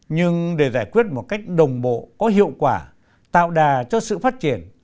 nhưng để giải quyết một cách đồng bộ có hiệu quả tạo đà cho sự phát triển